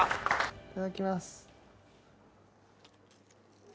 いただきます。